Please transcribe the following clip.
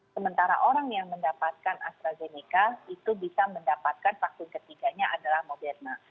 sementara orang yang mendapatkan astrazeneca itu bisa mendapatkan vaksin ketiganya adalah moderna